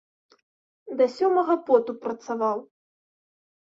Да сёмага поту працаваў!